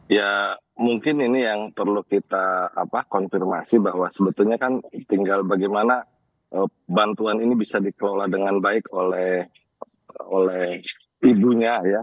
ya mungkin ini yang perlu kita konfirmasi bahwa sebetulnya kan tinggal bagaimana bantuan ini bisa dikelola dengan baik oleh ibunya ya